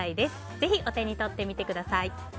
ぜひ、お手に取ってみてください。